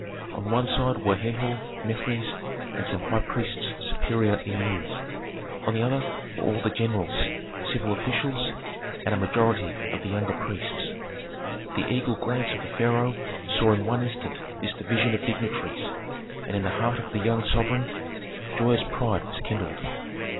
On one side were Herhor, Mefres, and some high priests superior in years; on the other were all the generals, civil officials, and a majority of the younger priests. The eagle glance of the pharaoh saw in one instant this division of dignitaries, and in the heart of the young sovereign joyous pride was kindled.